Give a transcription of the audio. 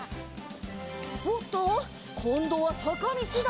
おっとこんどはさかみちだ。